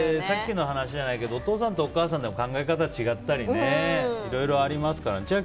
さっきの話じゃないけどお父さんとお母さんで考え方が違ったりいろいろありますからね。